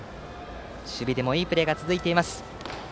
守備でもいいプレーが続いています。